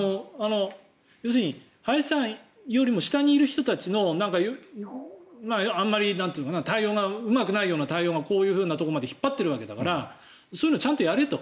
要するに林さんよりも下にいる人たちのあまり対応がうまくないような対応がこういうようなところまで引っ張ってるわけだからそういうの、ちゃんとやれと。